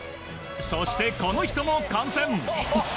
そして、この人も観戦。